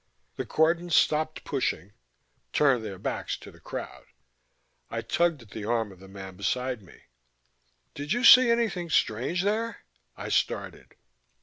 The cordon stopped pushing, turned their backs to the crowd. I tugged at the arm of the man beside me. "Did you see anything strange there?" I started.